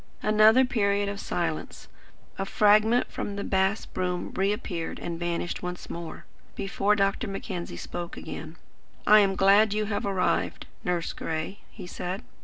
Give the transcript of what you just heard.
Another period of silence. A fragment of the bass broom reappeared and vanished once more, before Dr. Mackenzie spoke again. "I am glad you have arrived, Nurse Gray," he said.